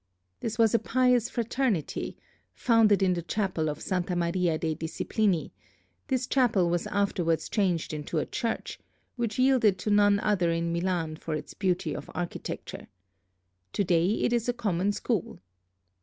This was a pious fraternity founded in the chapel of Santa Maria dei Disciplini; this chapel was afterwards changed into a church, which yielded to none other in Milan for its beauty of architecture. To day it is a common school.